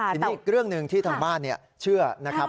ทีนี้อีกเรื่องหนึ่งที่ทางบ้านเชื่อนะครับ